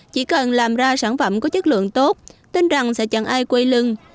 chỉ cần làm ra sản phẩm có chất lượng tốt tin rằng sẽ chẳng ai quay lưng